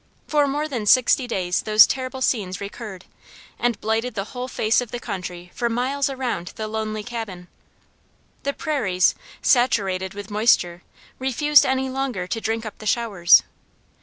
For more than sixty days those terrible scenes recurred, and blighted the whole face of the country for miles around the lonely cabin. The prairies, saturated with moisture, refused any longer to drink up the showers.